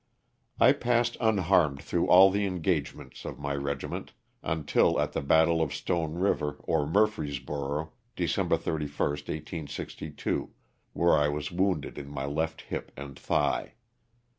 I passed unharmed through all the engagements of my regi ment until at the battle of Stone River or Murfrees borough, December 31, 1862, where I was wounded in my left hip and thigh.